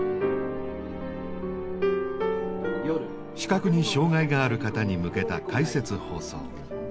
視覚に障害がある方に向けた「解説放送」。